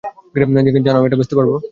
জানো, আমি এটা বেচতে পারবো।